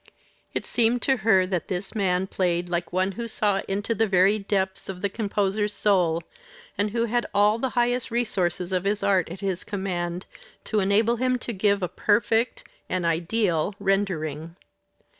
It seemed to her that this man played like one who saw into the very depths of the composer's soul, and who had all the highest resources of his art at his command to enable him to give a perfect an ideal rendering.